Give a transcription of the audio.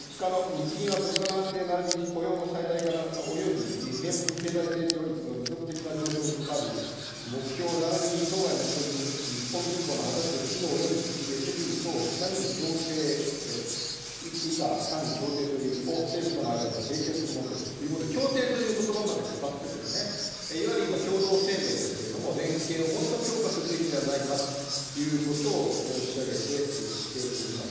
日銀は物価の安定ならびに雇用の最大化および名目経済成長率の持続的な成長に関わる目標ならびに当該目標に基づき日本銀行の果たすべき機能および責務等を定める協定、以下、単に協定というを、政府との間で締結するものとするということで、協定ということばまで使って、いわゆる共同声明ですけれども、連携をもっと強化するべきではないかということを申し上げてきております。